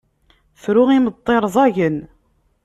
Tru imeṭṭi rẓagen.